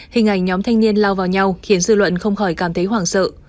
hình ảnh nhóm thanh niên lao vào nhau khiến dư luận không khỏi cảm thấy hoảng sợ